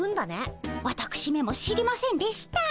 わたくしめも知りませんでした。